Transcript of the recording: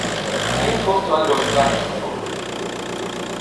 Hai un posto algo estraño no fondo.